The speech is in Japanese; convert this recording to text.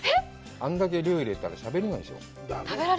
あんだけ量入れたらしゃべれないでしょう？